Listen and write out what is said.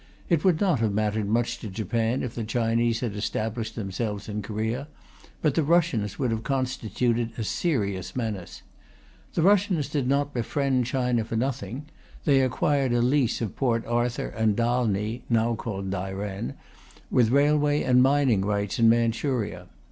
It would not have mattered much to Japan if the Chinese had established themselves in Korea, but the Russians would have constituted a serious menace. The Russians did not befriend China for nothing; they acquired a lease of Port Arthur and Dalny (now called Dairen), with railway and mining rights in Manchuria.